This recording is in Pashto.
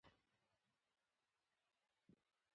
ښوونځی نجونې د روښانه بحثونو عادت پالي.